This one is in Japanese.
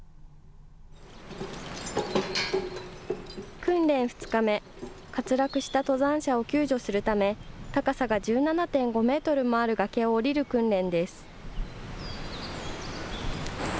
訓練２日目、滑落した登山者を救助するため、高さが１７．５メートルもある崖を降りる訓練です。